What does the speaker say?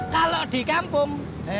kalo di kampung